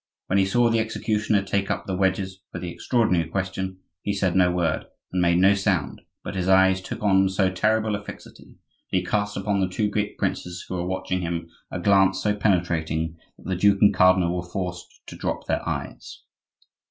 When he saw the executioner take up the wedges for the "extraordinary question" he said no word and made no sound, but his eyes took on so terrible a fixity, and he cast upon the two great princes who were watching him a glance so penetrating, that the duke and cardinal were forced to drop their eyes.